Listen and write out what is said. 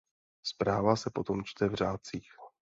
Zpráva se potom čte v řádcích.